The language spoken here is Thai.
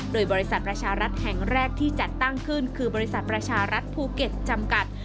โดยบริษัทประชารัฐแห่งแรกที่จัดตั้งขึ้นคือบริษัทประชารัฐภูเก็ตจำกัด